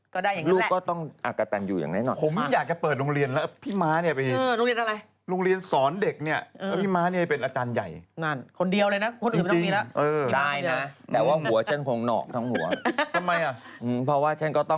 ก็ได้อย่างนั้นแหละ